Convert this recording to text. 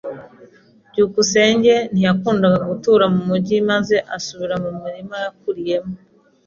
byukusenge ntiyakundaga gutura mu mujyi maze asubira mu murima yakuriyemo.